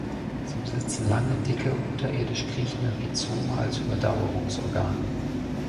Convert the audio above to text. Sie besitzen lange, dicke, unterirdisch kriechende Rhizome als Überdauerungsorgan.